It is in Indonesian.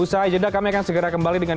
usaha jeda kami akan segera kembali dengan